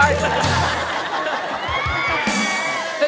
มาแล้วต้องการไป